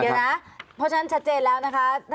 เพราะฉะนั้นชัดเจนแล้วนะคะ